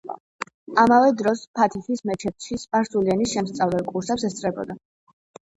ამავე დროს ფათიჰის მეჩეთში სპარსული ენის შემსწავლელ კურსებს ესწრებოდა.